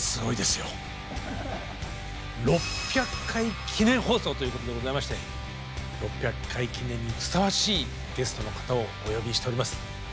６００回記念放送ということでございまして６００回記念にふさわしいゲストの方をお呼びしております。